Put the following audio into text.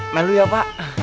melu ya pak